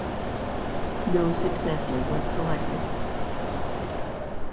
No successor was selected.